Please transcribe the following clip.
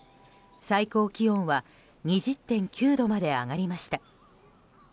最高気温は２０．９度まで上がりました。